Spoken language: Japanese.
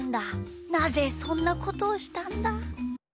なぜそんなことをしたんだ！？